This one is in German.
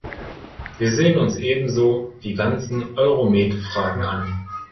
Wir sehen uns ebenso die ganzen Euromed-Fragen an.